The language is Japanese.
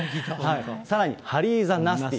さらにハリー・ザ・ナスティ。